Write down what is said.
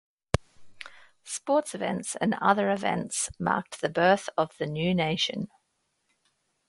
Sports events and other events marked the birth of the new nation.